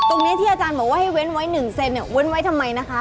ตรงนี้ที่อาจารย์บอกว่าให้เว้นไว้๑เซนเนี่ยเว้นไว้ทำไมนะคะ